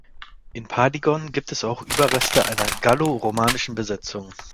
In Pardigon gibt es auch Überreste einer galloromanischen Besetzung.